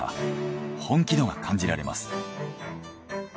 本気度が感じられます。